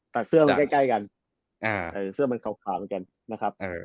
เสื้อมันใกล้กันเสื้อมันขาวเหมือนกันนะครับ